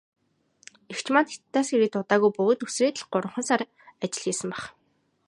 Эгч маань Хятадаас ирээд удаагүй бөгөөд үсрээд л гурван сар ажил хийсэн байх.